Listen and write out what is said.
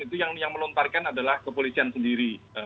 itu yang melontarkan adalah kepolisian sendiri